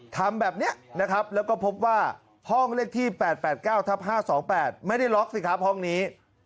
ทำแบบนี้นะครับแล้วก็พบว่าห้องเลขที่๘๘๙ทับ๕๒๘ไม่ได้ล็อกสิครับห้องนี้